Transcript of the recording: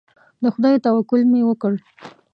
د خدای توکل مې وکړ.